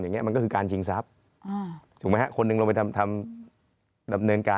มันก็คือการชิงทรัพย์ถูกไหมฮะคนหนึ่งลงไปทำทำดำเนินการ